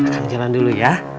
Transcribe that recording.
akang jalan dulu ya